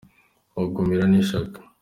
Bagumirwa n’ishaka